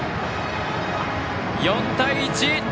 ４対１。